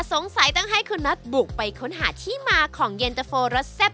สงสัยต้องให้คุณน็อตบุกไปค้นหาที่มาของเย็นตะโฟรสแซ่บ